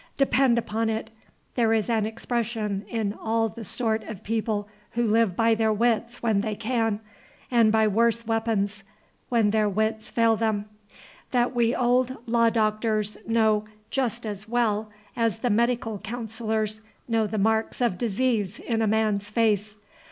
Depend upon it, there is an expression in all the sort of people who live by their wits when they can, and by worse weapons when their wits fail them, that we old law doctors know just as well as the medical counsellors know the marks of disease in a man's face.